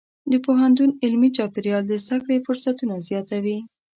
د پوهنتون علمي چاپېریال د زده کړې فرصتونه زیاتوي.